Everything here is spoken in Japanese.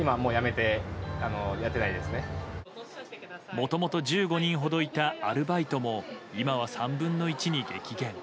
もともと１５人ほどいたアルバイトも今は３分の１に激減。